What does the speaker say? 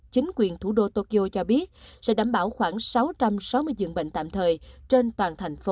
chính quyền thủ đô tokyo cho biết sẽ đảm bảo khoảng sáu trăm sáu mươi dường bệnh tạm thời trên toàn thành phố